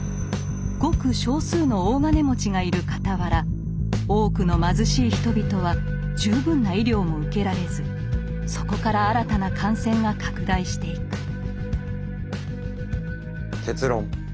ごく少数の大金持ちがいる傍ら多くの貧しい人々は十分な医療も受けられずそこから新たな感染が拡大していく。